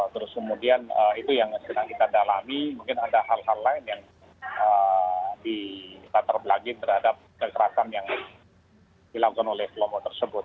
terus kemudian itu yang sedang kita dalami mungkin ada hal hal lain yang dilatar belakang terhadap kekerasan yang dilakukan oleh kelompok tersebut